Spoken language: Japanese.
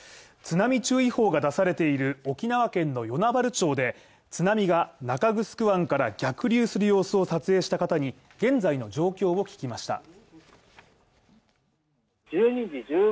津波注意報が出されている沖縄県の与那原町で津波が中城湾から逆流する様子を撮影した方に、現在の状況を聞きました。